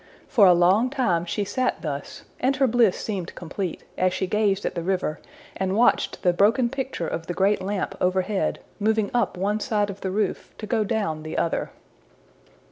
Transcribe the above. For a long time she sat thus, and her bliss seemed complete, as she gazed at the river and watched the broken picture of the great lamp overhead, moving up one side of the roof, to go down the other.